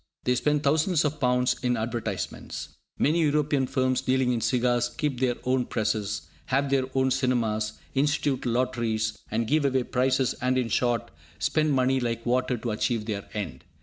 They spend thousands of pounds in advertisements. Many European firms dealing in cigars keep their own presses, have their own cinemas, institute lotteries, and give away prizes, and, in short, spend money like water to achieve their end.